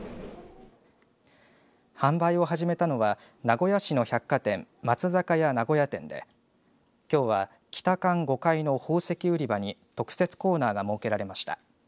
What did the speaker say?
販売を始めたのは名古屋市の百貨店松坂屋名古屋店で、きょうは北館５階の宝石売り場に特設コーナーが設けられました。